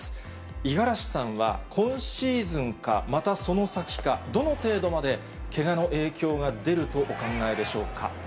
五十嵐さんは、今シーズンか、またその先か、どの程度までけがの影響が出るとお考えでしょうか。